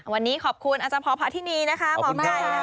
วันนี้ขอบคุณอาจารย์พอพาทินีนะคะหมอไก่